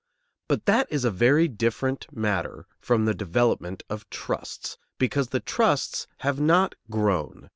But that is a very different matter from the development of trusts, because the trusts have not grown.